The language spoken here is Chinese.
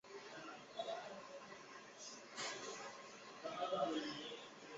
假青黄藤